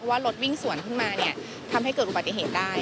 ว่ารถวิ่งสวนขึ้นมาเนี่ยทำให้เกิดอุบัติเหตุได้